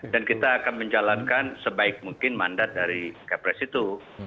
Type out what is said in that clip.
dan kita akan menjalankan sebaik mungkin mandat dari kepres itu